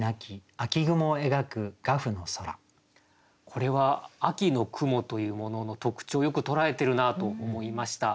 これは秋の雲というものの特徴をよく捉えてるなと思いました。